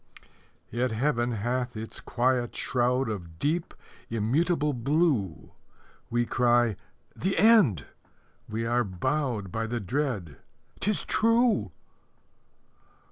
Yet Heaven hath its quiet shroud Of deep, immutable blue We cry, "The end!" We are bowed By the dread, "'Tis true!"